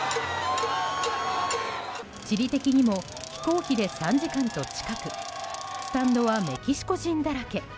地理的にも飛行機で３時間と近くスタンドはメキシコ人だらけ。